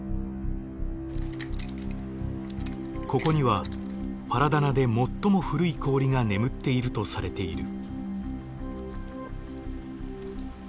ここにはパラダナで最も古い氷が眠っているとされている。